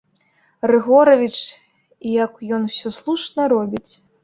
Рыгоравіч і як ён усё слушна робіць.